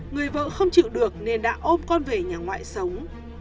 người vợ không chịu được nên đã ôm con về nhà ngoại sống